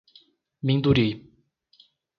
Minduri